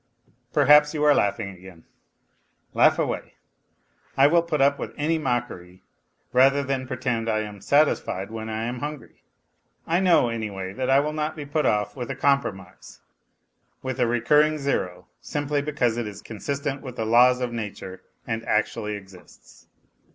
Perhaps you are laughing again ? Laugh away ; I will put up with any mockery rather than pretend that I am satisfied when I am hungry. I know, anyway, that I will not be put off with a compromise, with a recurring zero, simply because it is con sistent with the laws of nature and actually exists.